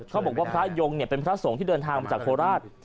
พระยงเป็นพระสงฆ์ที่เดินทางมาจากโคราช